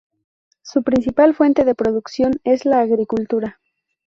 Su principal fuente de producción es la agricultura.